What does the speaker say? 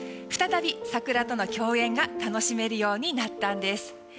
再び桜との共演が楽しめるようになったんです。